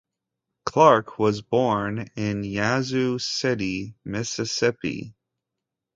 Clarke was born in Yazoo City, Mississippi.